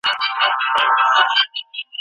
نړیوال عدالت د برابرۍ او انصاف اساس دی.